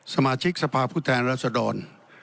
สมาชิกสภาพผู้แทนรัศดร